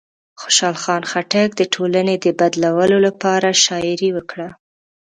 خوشحال خان خټک د ټولنې د بدلولو لپاره شاعري وکړه.